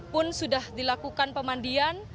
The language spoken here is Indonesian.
pun sudah dilakukan pemandian